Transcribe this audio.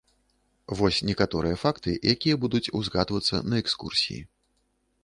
Вось некаторыя факты, якія будуць узгадвацца на экскурсіі.